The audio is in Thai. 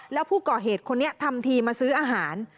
แล้วผู้ก่อเหตุคนนี้ทำทีมาซื้ออาหาร